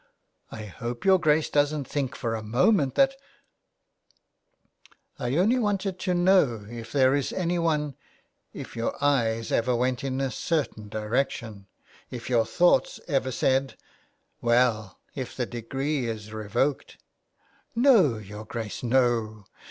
'^ I hope your Grace doesn't think for a moment that ." I only want to know if there is anyone — if your eyes ever went in a certain direction, if your thoughts ever said, ' Well, if the decree is revoked '"" No, your Grace, no.